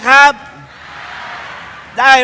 กาเบอร์